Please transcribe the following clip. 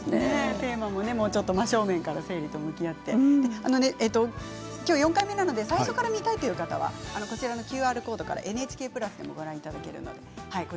テーマも真っ正面から生理と向き合って今日４回目なので最初から見たいという方はこちらのＱＲコードからＮＨＫプラスでもご覧いただけます。